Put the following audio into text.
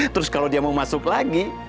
terus kalau dia mau masuk lagi